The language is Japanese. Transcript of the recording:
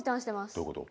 どういうこと？